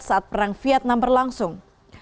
saat perang vietnam berlangsung